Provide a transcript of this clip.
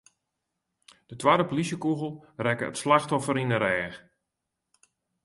De twadde polysjekûgel rekke it slachtoffer yn 'e rêch.